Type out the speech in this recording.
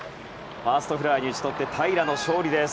ファーストフライに打ち取って平良の勝利です。